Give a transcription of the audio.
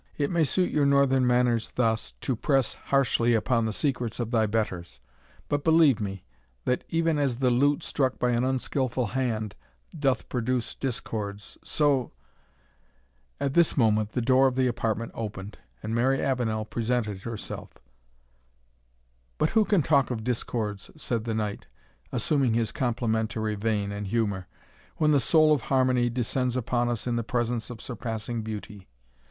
It may suit your northern manners thus to press harshly upon the secrets of thy betters; but believe me, that even as the lute, struck by an unskilful hand, doth produce discords, so " At this moment the door of the apartment opened, and Mary Avenel presented herself "But who can talk of discords," said the knight, assuming his complimentary vein and humour, "when the soul of harmony descends upon us in the presence of surpassing beauty!